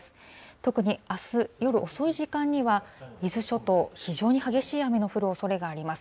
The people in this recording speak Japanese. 特にあす、夜遅い時間には、伊豆諸島、非常に激しい雨の降るおそれがあります。